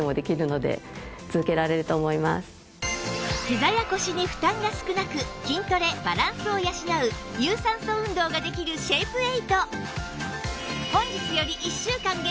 ひざや腰に負担が少なく筋トレバランスを養う有酸素運動ができるシェイプエイト